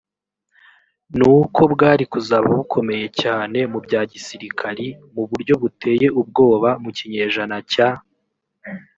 n uko bwari kuzaba bukomeye cyane mu bya gisirikari mu buryo buteye ubwoba mu kinyejana cya